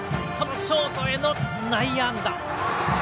ショートへの内野安打。